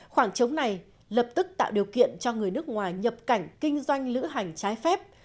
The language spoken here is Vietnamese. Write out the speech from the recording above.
khoảng trống này lập tức tạo điều kiện cho người nước ngoài nhập cảnh kinh doanh lữ hành trái phép